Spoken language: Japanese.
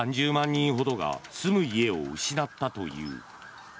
人ほどが住む家を失ったという。